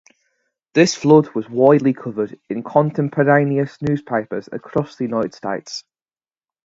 This flood was widely covered in contemporaneous newspapers across the United States.